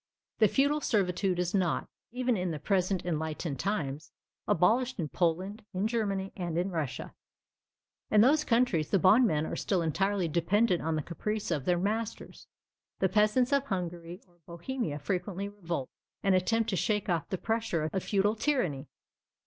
The feudal servitude is not, even in the present enlightened times, abolished in Poland, in Germany, and in Russia. In those countries, the bondmen are still entirely dependent on the caprice of their masters. The peasants of Hungary or Bohemia frequently revolt, and attempt to shake off the pressure of feudal tyranny.